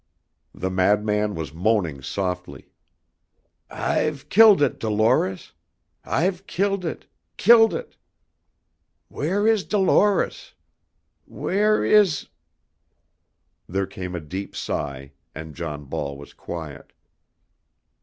The madman was moaning softly. "I've killed it, Dolores I've killed it killed it! Where is Dolores? Where is " There came a deep sigh, and John Ball was quiet.